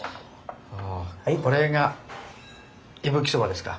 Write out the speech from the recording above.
おおこれが伊吹そばですか。